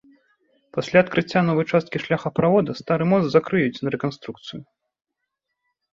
Пасля адкрыцця новай часткі шляхаправода стары мост закрыюць на рэканструкцыю.